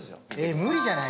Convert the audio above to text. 無理じゃない？